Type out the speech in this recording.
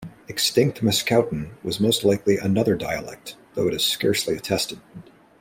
Extinct Mascouten was most likely another dialect, though it is scarcely attested.